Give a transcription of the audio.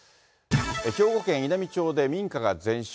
兵庫県稲美町で民家が全焼。